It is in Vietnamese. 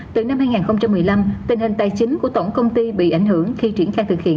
từ năm hai nghìn một mươi năm tình hình tài chính của tổng công ty bị ảnh hưởng khi triển khai thực hiện